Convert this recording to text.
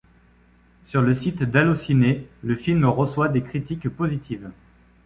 Sur le site d'Allociné le film reçoit des critiques positives.